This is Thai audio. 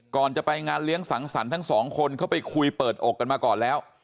ก่อนจะไปงานเลี้ยงสังสรรค์ทั้งสองคนเข้าไปคุยเปิดอกกันมาก่อนแล้ว